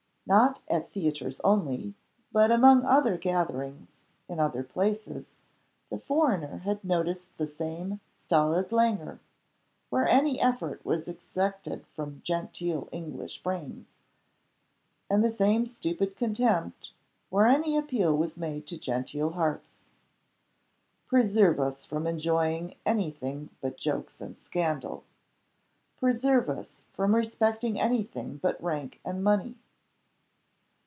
Not at theatres only; but among other gatherings, in other places, the foreigner had noticed the same stolid languor where any effort was exacted from genteel English brains, and the same stupid contempt where any appeal was made to genteel English hearts. Preserve us from enjoying any thing but jokes and scandal! Preserve us from respecting any thing but rank and money!